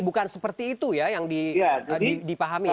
bukan seperti itu ya yang dipahami ya